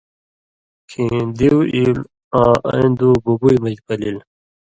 کھیں دیُو ایلوۡ آں اَیں دُو بُبوئ مژ پَلِل۔